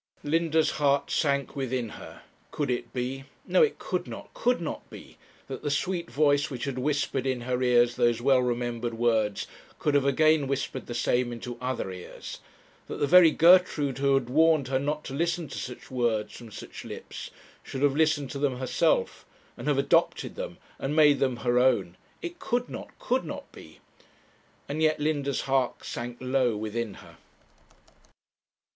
Linda's heart sank within her. 'Could it be? No, it could not, could not be, that the sweet voice which had whispered in her ears those well remembered words, could have again whispered the same into other ears that the very Gertrude who had warned her not to listen to such words from such lips, should have listened to them herself, and have adopted them and made them her own! It could not, could not be!' and yet Linda's heart sank low within her.